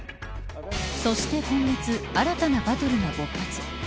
そして今月新たなバトルが勃発。